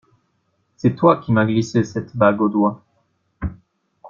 C'est toi qui m'as glissé cette bague au doigt.